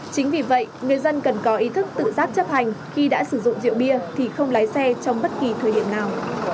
chính vì vậy người dân cần có ý thức tự giác chấp hành khi đã sử dụng rượu bia thì không lái xe trong bất kỳ thời điểm nào